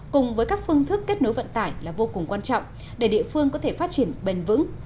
cùng với các phương thức kết nối vận tải là vô cùng quan trọng để địa phương có thể phát triển bền vững